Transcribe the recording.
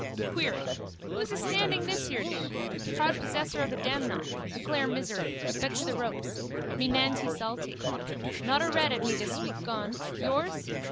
Query. Who's astanding this here do? Proud possessor of damnall. Declare misery. Bet to the ropes. Me nantee saltee. Not a red at me this week gone. Yours?